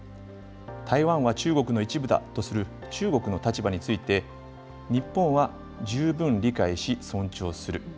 台湾は中国の一部だとする中国の立場について、日本は十分理解し、尊重する。